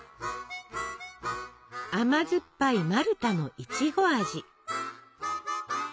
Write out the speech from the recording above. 甘酸っぱいマルタのいちご味。